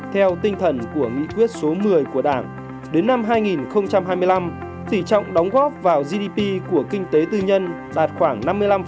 theo tinh thần của nghị quyết số một mươi của đảng đến năm hai nghìn hai mươi năm tỷ trọng đóng góp vào gdp của kinh tế tư nhân đạt khoảng năm mươi năm